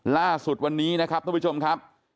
ล่าสุดวันนี้นะครับทุกผู้ชมครับ